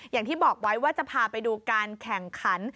อย่างที่บอกไว้ว่าจะพาไปดูการแข่งขัน